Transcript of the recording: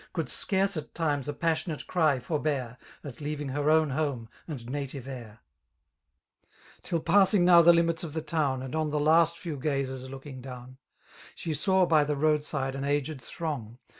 Could scarce, at times, a passionate cry foribear At leaving her own home and native air 5 TiU passing jiow the limits of the town. And on tiie last few gazers looking down> She saw by the road side an aged throng.